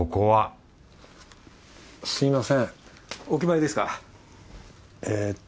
はい。